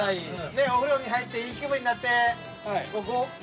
ねえお風呂に入っていい気分になって。